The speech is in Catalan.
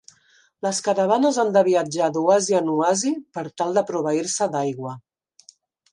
Les caravanes han de viatjar d'oasi en oasi per tal de proveir-se d'aigua.